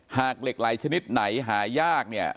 เหล็กไหลชนิดไหนหายากเนี่ย